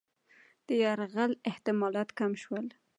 د یرغل احتمالات کم شول.